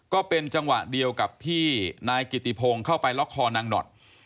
ก็เป็นจังหวะเดียวกับที่นายกิติพงศ์เข้าไปล็อกคอนางหนอด